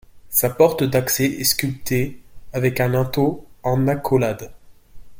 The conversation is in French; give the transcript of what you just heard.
Sa porte d'accès est sculptée avec un linteau en accolade.